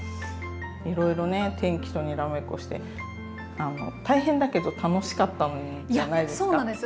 いろいろね天気とにらめっこして大変だけど楽しかったんじゃないですか？